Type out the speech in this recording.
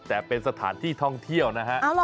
แต่เป็นสถานที่ท่องเที่ยวนะฮะ